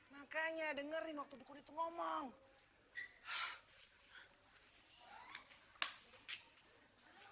makanya dengerin waktu dukun itu ngomong